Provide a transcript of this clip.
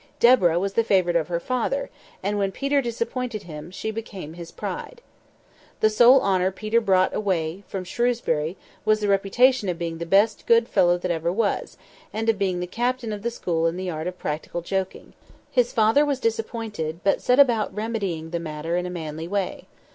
Deborah was the favourite of her father, and when Peter disappointed him, she became his pride. The sole honour Peter brought away from Shrewsbury was the reputation of being the best good fellow that ever was, and of being the captain of the school in the art of practical joking. His father was disappointed, but set about remedying the matter in a manly way.